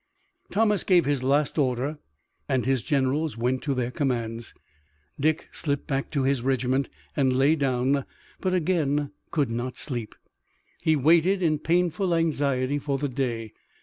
Thomas gave his last order and his generals went to their commands. Dick slipped back to his regiment, and lay down, but again could not sleep. He waited in painful anxiety for the day.